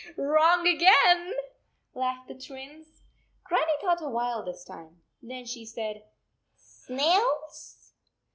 " Wrong again," laughed the Twins. Grannie thought a while this time. Then she said, " Snails."